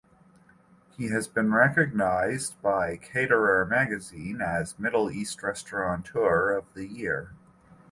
He has been recognized by Caterer Magazine as "Middle East Restaurateur of the Year".